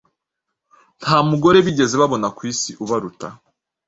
nta mugore bigeze babona ku Isi ubaruta.